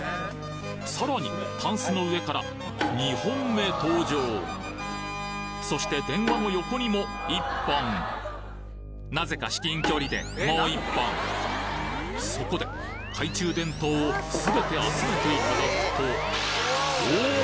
さらにタンスの上からそして電話の横にも１本なぜか至近距離でもう１本そこで懐中電灯をすべて集めていただくとおお！